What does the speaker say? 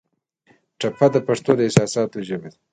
ټپه د پښتو د احساساتو ژبه ده.